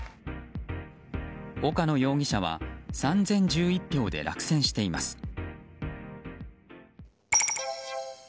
岡野容疑者は３０１１票で落選しています。